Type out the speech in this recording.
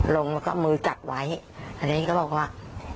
ลงแล้วก็มือจับไว้อันนี้ก็บอกว่า